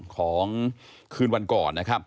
ของคืนวันก่อน